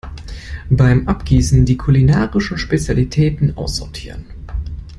Beim Abgießen die kulinarischen Spezialitäten aussortieren.